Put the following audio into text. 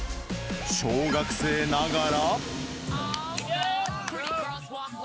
小学生ながら。